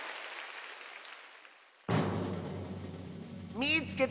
「みいつけた！